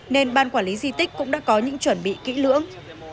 nên ban quản lý di tích cũng đã có những chuẩn bị kỹ lưỡng